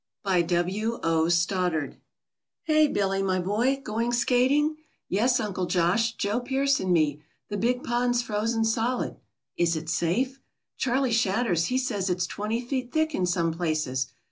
BY W. O. STODDARD. "Hey Billy, my boy! Going skating?" "Yes, Uncle Josh, Joe Pearce and me. The big pond's frozen solid." "Is it safe?" "Charley Shadders he says it's twenty feet thick in some places."